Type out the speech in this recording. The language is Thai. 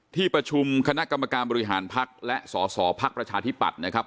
ที่ประชุมคณะกรรมการบริหารพักและสสพักประชาธิปัตย์นะครับ